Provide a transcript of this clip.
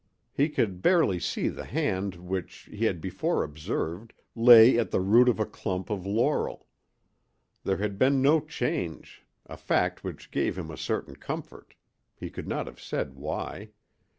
He could barely see the hand which, he had before observed, lay at the root of a clump of laurel. There had been no change, a fact which gave him a certain comfort, he could not have said why.